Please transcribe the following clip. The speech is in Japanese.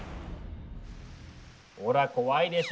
ほら怖いでしょ？